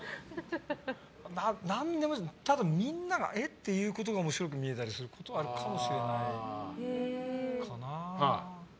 多分、みんながえっ？って思うことが面白く見えたりすることはあるかもしれない。